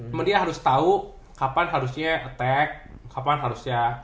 cuma dia harus tahu kapan harusnya attack kapan harusnya